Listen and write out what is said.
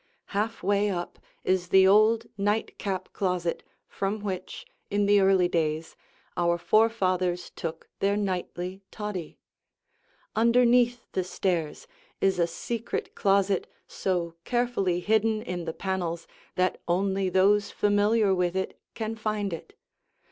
Half way up is the old nightcap closet from which, in the early days, our forefathers took their nightly toddy. Underneath the stairs is a secret closet so carefully hidden in the panels that only those familiar with it can find it.